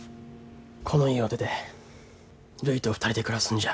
この家を出てるいと２人で暮らすんじゃ。